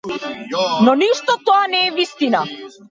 Но ништо од тоа не е вистина.